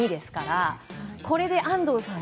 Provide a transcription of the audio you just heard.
これで安藤さん